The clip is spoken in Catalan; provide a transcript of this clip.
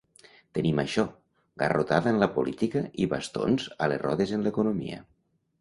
Tenim això: garrotada en la política i bastons a les rodes en l’economia.